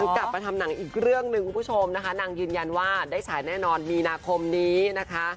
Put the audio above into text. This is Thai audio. กลับมาทำหนังอีกเรื่องหนึ่งนางยืนยันได้สายแน่นนอนวันปีนาคมนี้นะคะ